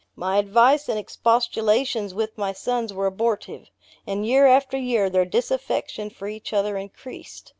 My advice and expostulations with my sons were abortive; and year after year their disaffection for each other increased.